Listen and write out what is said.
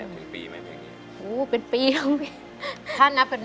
ถ้านับเป็นเป็นเปอร์เซ็นต์กี่เปอร์เซ็นต์นะพี่ฮั่ว